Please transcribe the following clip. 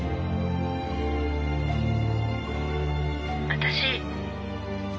私。